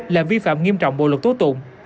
làm vi phạm nghiêm trọng bộ lục tố tụng